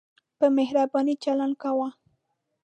په مهربانۍ چلند کاوه.